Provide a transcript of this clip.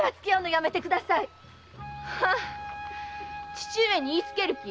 父上に言いつける気？